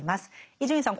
伊集院さん